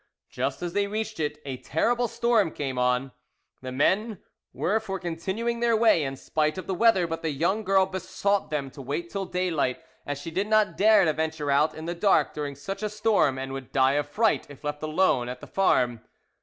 Just as they reached it a terrible storm came on. The men were for continuing their way in spite of the weather, but the young girl besought them to wait till daylight, as she did not dare to venture out in the dark during such a storm, and would die of fright if left alone at the farm.